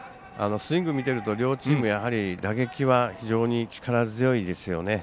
スイング見てると両チーム、打撃は力強いですよね。